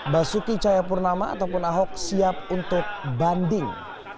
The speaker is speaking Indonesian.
basuki cahayapurnama ataupun ahok siap untuk banding